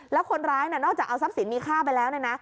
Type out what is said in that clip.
แล้วคนร้ายนอกจากเอาทรัพย์สินมีค่าไปแล้วเนี่ยนะ